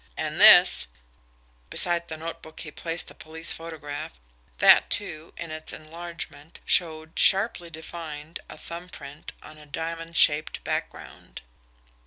And this" beside the notebook he placed the police photograph; that, too, in its enlargement, showed, sharply defined, a thumb print on a diamond shaped background.